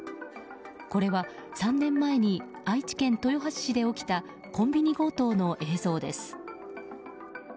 これは３年前に愛知県豊橋市で起きたコンビニ強盗の映像です。